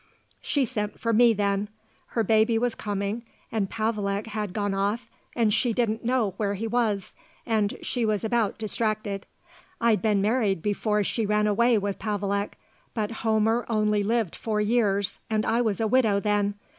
"She sent for me then. Her baby was coming and Pavelek had gone off and she didn't know where he was and she was about distracted. I'd been married before she ran away with Pavelek, but Homer only lived four years and I was a widow then.